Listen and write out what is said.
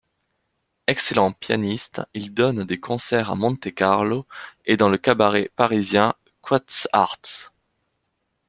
Excellent pianiste, il donne des concerts à Monte-Carlo et dans le cabaret parisien Quat'z'Arts.